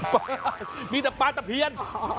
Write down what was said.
ปลามีแต่ปลาตะเคียน